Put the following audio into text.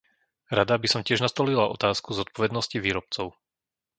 Rada by som tiež nastolila otázku zodpovednosti výrobcov.